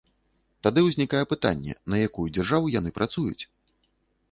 Тады ўзнікае пытанне, на якую дзяржаву яны працуюць?